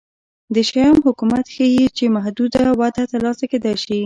د شیام حکومت ښيي چې محدوده وده ترلاسه کېدای شي